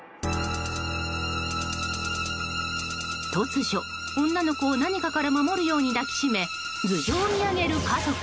突如、女の子を何かから守るように抱きしめ頭上を見上げる家族。